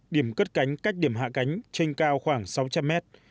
điểm cất cánh cách điểm hạ cánh trên cao khoảng sáu trăm linh mét